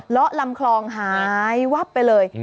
ละลำคลองหายวับไปเลย